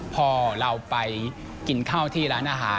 พอเราไปกินข้าวที่ร้านอาหาร